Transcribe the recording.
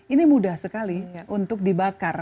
ini mudah sekali untuk dibakar